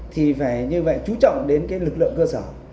thì phải như vậy chú trọng đến cái lực lượng cơ sở